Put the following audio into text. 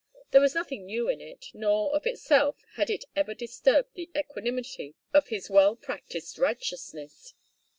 There was nothing new in it, nor, of itself, had it ever disturbed the equanimity of his well practised righteousness.